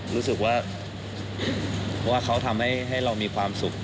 รู้สึกว่าเขาทำให้เรามีความสุข